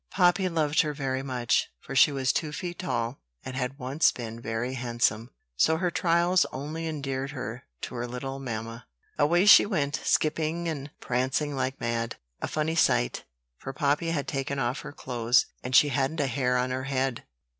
Poppy loved her very much; for she was two feet tall, and had once been very handsome: so her trials only endeared her to her little mamma. Away she went, skipping and prancing like mad, a funny sight, for Poppy had taken off her clothes, and she hadn't a hair on her head.